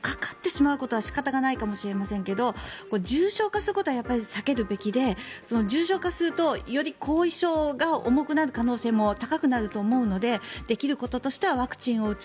かかってしまうことは仕方がないかもしれませんが重症化することは避けるべきで重症化すると後遺症が重くなる可能性も高くなると思うのでできることとしてはワクチンを打つ。